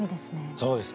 そうですね。